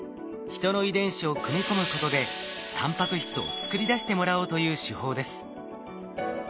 人の遺伝子を組み込むことでタンパク質を作り出してもらおうという手法です。